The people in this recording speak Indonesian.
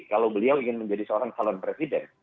kalau beliau ingin menjadi seorang calon presiden